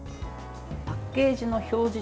パッケージの表示